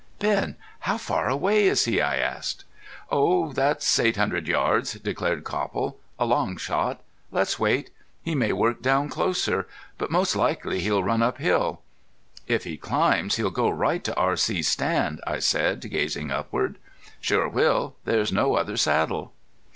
"Ben, how far away is he?" I asked. "Oh, that's eight hundred yards," declared Copple. "A long shot. Let's wait. He may work down closer. But most likely he'll run up hill." "If he climbs he'll go right to R.C.'s stand," I said, gazing upward. "Sure will. There's no other saddle."